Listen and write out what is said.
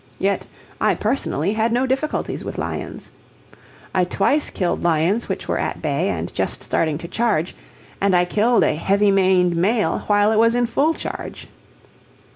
Yet I personally had no difficulties with lions. I twice killed lions which were at bay and just starting to charge, and I killed a heavy maned male while it was in full charge.